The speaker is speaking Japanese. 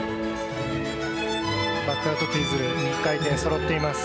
バックアウトツイズル回転、揃っています。